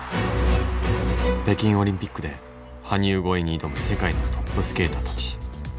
北京オリンピックで羽生超えに挑む世界のトップスケーターたち。